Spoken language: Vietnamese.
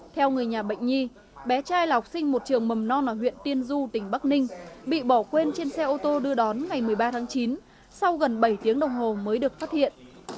theo người nhà bệnh nhi bé trai là học sinh một trường mầm non ở huyện tiên du tỉnh bắc ninh bị bỏ quên trên xe ô tô đưa đón ngày một mươi ba tháng chín sau gần bảy tiếng đồng hồ mới được phát hiện